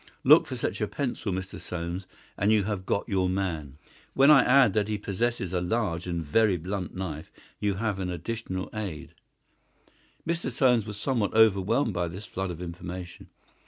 Look for such a pencil, Mr. Soames, and you have got your man. When I add that he possesses a large and very blunt knife, you have an additional aid." Mr. Soames was somewhat overwhelmed by this flood of information.